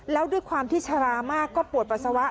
แล้วด้วยความที่ชะลามากก็ปวดปัสสาวะ